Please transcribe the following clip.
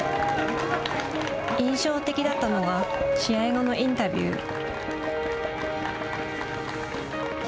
印象的だったのが試合後のインタビュー。